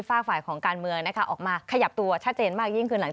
ฝากฝ่ายของการเมืองนะคะออกมาขยับตัวชัดเจนมากยิ่งขึ้นหลังจาก